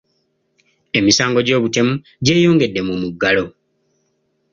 Emisango gy’obutemu gyeyongedde mu muggalo.